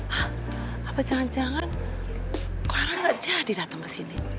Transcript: hah apa jangan jangan clara gak jadi datang kesini